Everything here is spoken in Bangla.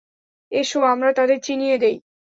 এসো আমরা তাদের চিনিয়ে দেই।